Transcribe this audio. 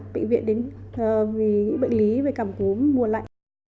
bệnh lý về cảm cúm mùa lạnh